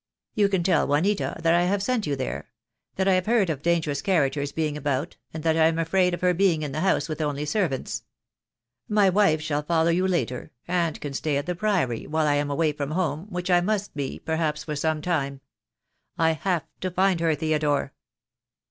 You can tell Juanita that I have sent you there — that I have heard of dangerous characters being about, and that I am afraid of her being in the house with only servants. My wife shall follow you later, and can stay at the Priory while I am away from home, which I must be, perhaps, for some time. I have to find her, Theodore."